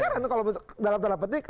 eceran kalau dalam dalam petik